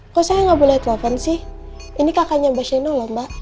kok saya gak boleh telofan sih ini kakaknya mbak shaina lho mbak